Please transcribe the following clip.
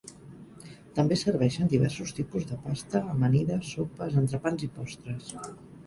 També serveixen diversos tipus de pasta, amanides, sopes, entrepans i postres.